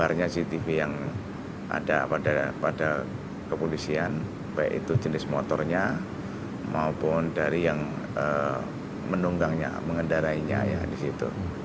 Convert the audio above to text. sebenarnya cctv yang ada pada kepolisian baik itu jenis motornya maupun dari yang menunggangnya mengendarainya ya di situ